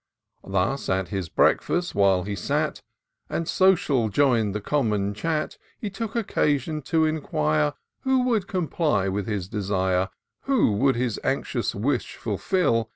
Thus, at his breakfast, while he sat, And social join'd the common chat. He took occasion to inquire Who would comply with his desire. Who would his anxious wish fulfil.